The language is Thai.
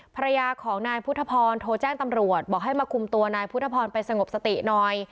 ภรรยาของนายพุทธพรโทรแจ้งตำรวจบอกให้มาคุมตัวนายพุทธพรไปสงบสติหน่อย